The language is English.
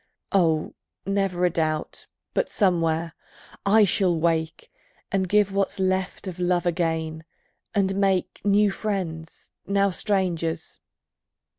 Oh, never a doubt but, somewhere, I shall wake, And give what's left of love again, and make New friends, now strangers....